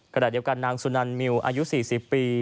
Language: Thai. ขณะเดียวกันนางสุนันมิวอายุ๔๐ปี